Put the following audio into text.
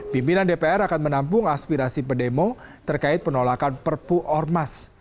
pimpinan dpr akan menampung aspirasi pedemo terkait penolakan perpu ormas